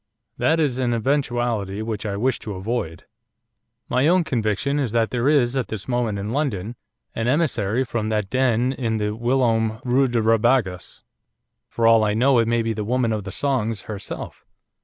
That is an eventuality which I wish to avoid. My own conviction is that there is at this moment in London an emissary from that den in the whilom Rue de Rabagas for all I know it may be the Woman of the Songs herself.